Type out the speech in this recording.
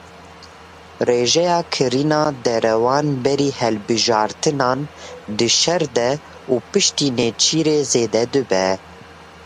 Rêjeya kirina derewan berî hilbijartinan, di şer de û piştî nêçîrê zêde dibe.